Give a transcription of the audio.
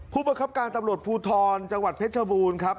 ผู้ประคับการตำรวจภูทรจังหวัดเพชรบูรณ์ครับ